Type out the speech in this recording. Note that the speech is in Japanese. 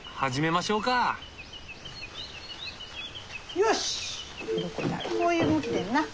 よしこういう向きでんな。